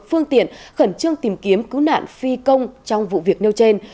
phương tiện khẩn trương tìm kiếm cứu nạn phi công trong vụ việc nêu trên